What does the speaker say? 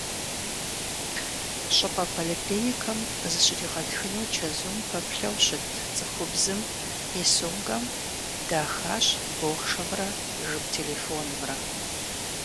ЩӀыпӀэ поликлиникэм зыщригъэтхыну чэзум пэплъэу щыт цӏыхубзым и сумкӀэм дахащ бохъшэмрэ жып телефонымрэ.